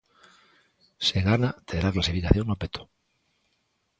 Se gana terá a clasificación no peto.